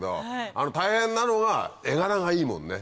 あの大変なのは画柄がいいもんね。